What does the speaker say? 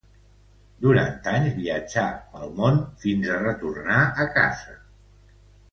Durant anys viatjà pel món fins a retornar a casa.